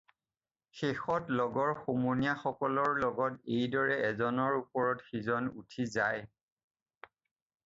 শেষত লগৰ সমনীয়াসকলৰ লগত এইদৰেই এজন ওপৰত সিজন উঠি যায়।